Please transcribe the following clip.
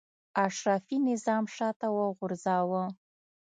اشرافي نظام شاته وغورځاوه.